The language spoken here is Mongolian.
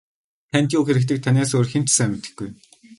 Танд юу хэрэгтэйг танаас өөр хэн ч сайн мэдэхгүй.